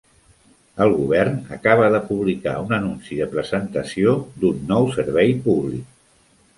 El govern acaba de publicar un anunci de presentació d'un nou servei públic.